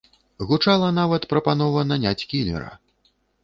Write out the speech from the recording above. Гучала нават прапанова наняць кілера.